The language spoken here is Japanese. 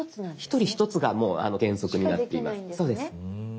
１人１つがもう原則になってます。